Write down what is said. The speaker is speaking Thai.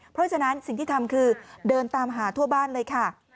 เพราะฉะนั้นสิ่งที่ทำคือเดินตามหาทั่วบ้านเลยค่ะ